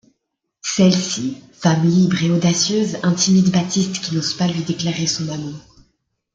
Celle-ci, femme libre et audacieuse, intimide Baptiste qui n'ose pas lui déclarer son amour.